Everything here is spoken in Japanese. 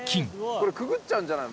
これくぐっちゃうんじゃないの？